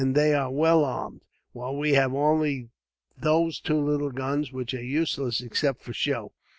They are well armed, while we have only those two little guns, which are useless except for show.